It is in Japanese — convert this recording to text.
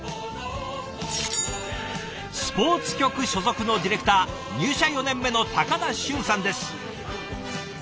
スポーツ局所属のディレクター入社４年目の高田駿さんです。